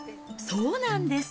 そうなんです。